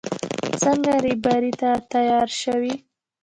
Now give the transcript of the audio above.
څنګه رېبارۍ ته تيار شوې.